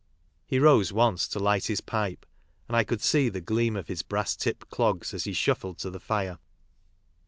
He rose once to light his pipe, and I could see the gleam of his brass tipped clogs as he shuffled to the fire.